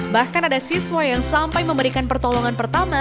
bahkan ada siswa yang sampai memberikan pertolongan pertama